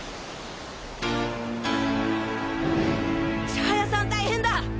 千速さん大変だ！